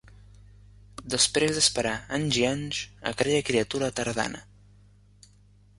Després d'esperar anys i anys aquella criatura tardana